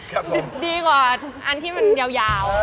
ดีกว่าอันที่มันยาว